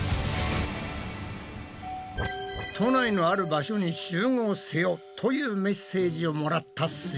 都内のある場所に集合せよというメッセージをもらったす